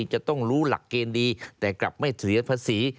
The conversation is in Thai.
จะต้องรู้หลักเกณฑ์ดีแต่กลับไม่เสียภาษี